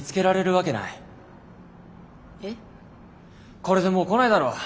これでもう来ないだろ。